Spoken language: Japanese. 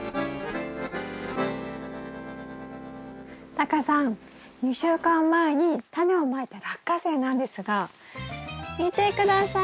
タカさん２週間前にタネをまいたラッカセイなんですが見て下さい。